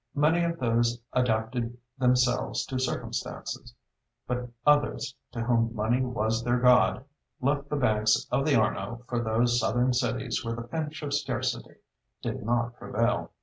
Many of those adapted themselves to circumstances, but others, to whom money was their god, left the banks of the Arno for those southern cities where the pinch of scarcity did not prevail.